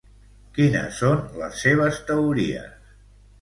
Quines són les seves teories?